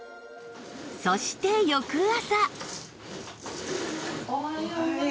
そして翌朝